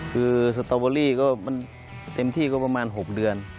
คือสตอเบอรี่ก็มันเต็มที่ก็ประมาณ๖เดือน